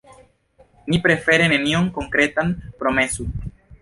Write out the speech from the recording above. Ni prefere nenion konkretan promesu.